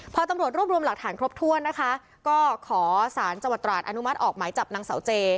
พอตำรวจรวบรวมหลักฐานครบถ้วนนะคะก็ขอสารจังหวัดตราดอนุมัติออกหมายจับนางเสาเจ